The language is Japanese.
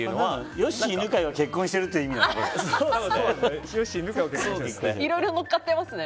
ヨッシー犬飼は結婚しているっていう意味なのね。